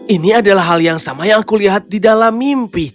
ini adalah hal yang sama yang aku lihat di dalam mimpi